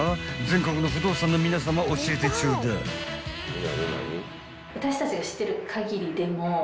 全国の不動産の皆さま教えてちょうだい］